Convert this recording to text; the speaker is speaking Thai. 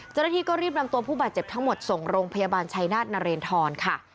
เจ้าหน้าที่ก็รีบนำตัวผู้บาดเจ็บทั้งหมดส่งโรงพยาบาลชัยนาธนเรนทรค่ะ